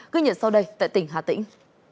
ghi nhận sau đây tại tỉnh hà tĩnh